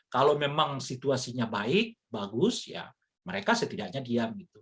kalau memang situasinya baik bagus mereka setidaknya diam